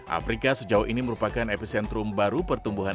afrika sejauh ini merupakan epicentrum baru pertumbuhan